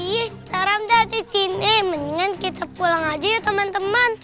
iya serem banget disini mendingan kita pulang aja ya teman teman